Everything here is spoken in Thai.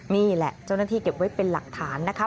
นี่แหละเจ้าหน้าที่เก็บไว้เป็นหลักฐานนะคะ